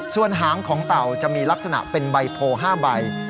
ส่วนหางของเต่าจะมีลักษณะเป็นใบโพ๕ใบ